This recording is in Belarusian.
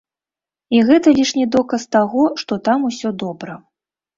І гэта лішні доказ таго, што там усё добра.